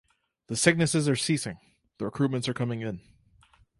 The sicknesses are ceasing; the recruitments are coming in.